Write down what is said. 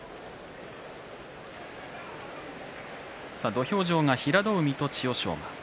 土俵上は平戸海と千代翔馬です。